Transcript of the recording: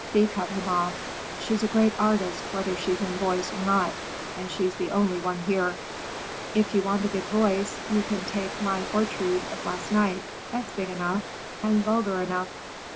Thea cut him off. "She's a great artist, whether she's in voice or not, and she's the only one here. If you want a big voice, you can take my Ortrude of last night; that's big enough, and vulgar enough."